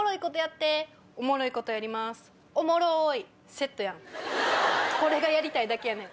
セットやんこれがやりたいだけやねん。